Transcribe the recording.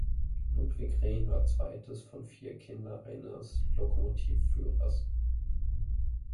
Ludwig Rehn war zweites von vier Kinder eines Lokomotivführers.